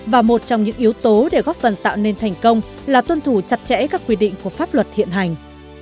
và một trong những yếu tố để góp phần tạo nên thành công là tuân thủ chặt chẽ các quy định của pháp luật hiện hành